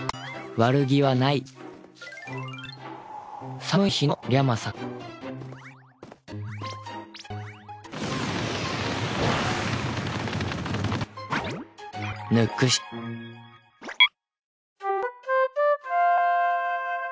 悪気はない寒い日のリャマさんキュウ。